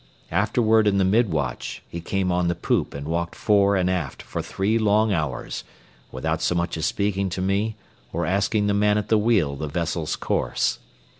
Afterward in the mid watch he came on the poop and walked fore and aft for three long hours without so much as speaking to me or asking the man at the wheel the vessel's course.